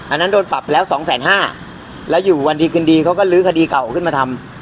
อันนั้นโดนปรับแล้วสองแสนห้าแล้วอยู่วันดีคืนดีเขาก็ลื้อคดีเก่าขึ้นมาทำ